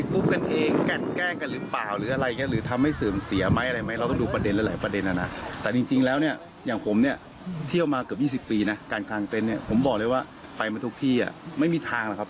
แต่อันนี้ผมรับประกันได้เกือบ๒๐ปีผมอยู่ตรงนี้ไม่มีทาง